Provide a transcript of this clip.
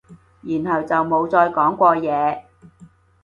然後就冇再講過嘢